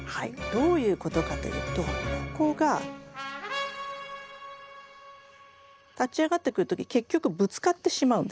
どういうことかというとここが立ち上がってくる時結局ぶつかってしまうんです。